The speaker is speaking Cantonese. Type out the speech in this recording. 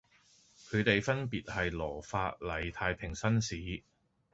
佢地分別係羅發禮太平紳士